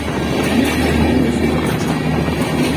Nid pour hibou et fauvette